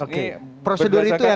oke prosedur itu ya